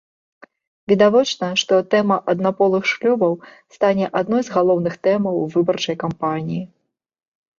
Відавочна, што тэма аднаполых шлюбаў стане адной з галоўных тэмаў выбарчай кампаніі.